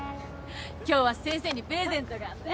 今日は先生にプレゼントがあんだ。